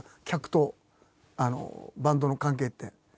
客とバンドの関係って。